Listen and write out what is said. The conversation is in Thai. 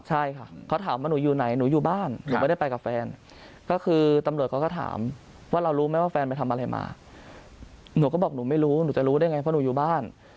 หนูจะรู้ได้ไงเพราะหนูอยู่บ้าน